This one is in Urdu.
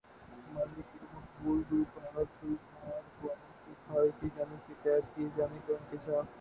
ماضی کی مقبول گلوکارہ گل بہار بانو کو بھائی کی جانب سے قید کیے جانے کا انکشاف